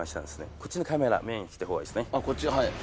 こっちのカメラメインにしたほうがいいですね。